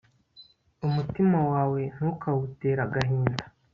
umutima wawe ntukawutere agahinda